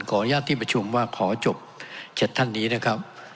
อนุญาตที่ประชุมว่าขอจบ๗ท่านนี้นะครับ